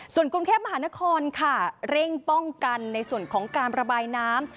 ส่วนกรุงเทพมหานครค่ะเร่งป้องกันในส่วนของการระบายน้ำ